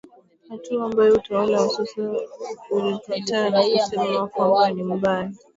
hatua ambayo utawala wa sasa ulikataa na kusema kwamba ni mbaya